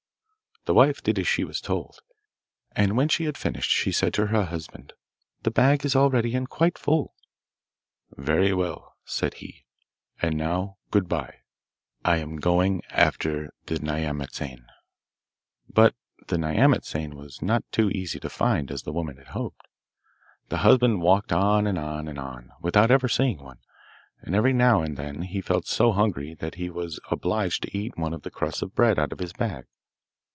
The wife did as she was told, and when she had finished she said to her husband, 'The bag is all ready and quite full.' 'Very well,' said he, 'and now good bye; I am going after the nyamatsane.' But the nyamatsane was not so easy to find as the woman had hoped. The husband walked on and on and on without ever seeing one, and every now and then he felt so hungry that he was obliged to eat one of the crusts of bread out of his bag.